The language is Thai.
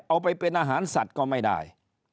เอาไปเป็นอาหารสัตว์ก็ไม่ได้